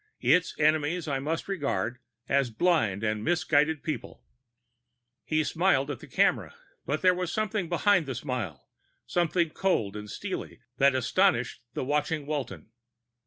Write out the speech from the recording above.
Its enemies I must regard as blind and misguided people." He was smiling into the camera, but there was something behind the smile, something cold and steely, that astonished the watching Walton.